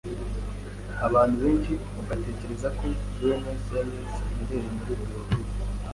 Abantu benshi batekereza ko Buenos Aires iherereye muri Berezile.